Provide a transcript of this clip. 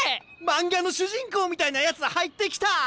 漫画の主人公みたいなやつ入ってきた！